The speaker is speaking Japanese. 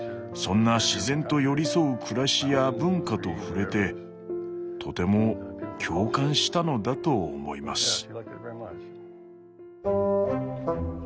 そんな自然と寄り添う暮らしや文化と触れてとても共感したのだと思います。